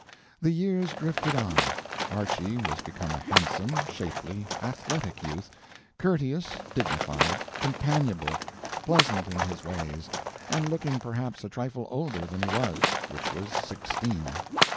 The years drifted on. Archy was become a handsome, shapely, athletic youth, courteous, dignified, companionable, pleasant in his ways, and looking perhaps a trifle older than he was, which was sixteen.